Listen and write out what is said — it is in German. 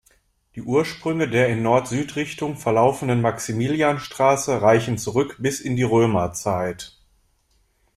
Die Ursprünge der in Nord-Süd-Richtung verlaufenden Maximilianstraße reichen zurück bis in die Römerzeit.